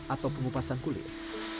atau pengupasan kulit